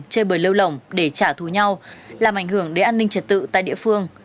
chơi bời lêu lỏng để trả thù nhau làm ảnh hưởng đến an ninh trật tự tại địa phương